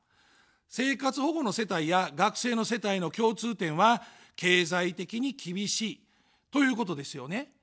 生活保護の世帯や学生の世帯の共通点は経済的に厳しいということですよね。